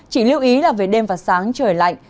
chỉ lưu ý là về đêm và sáng trời lạnh